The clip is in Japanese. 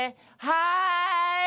「はい」。